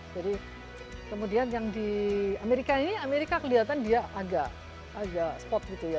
jadi kemudian yang di amerika ini amerika kelihatan dia agak agak spot gitu ya